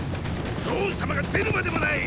騰様が出るまでもない！